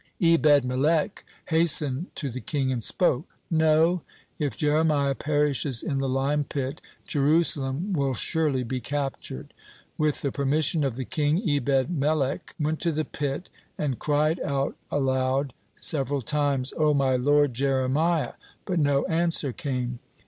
Ebed melech hastened to the king and spoke: "Know, if Jeremiah perishes in the lime pit, Jerusalem will surely be captured." With the permission of the king, Ebed melech went to the pit, and cried out aloud several times, "O my lord Jeremiah," but no answer came.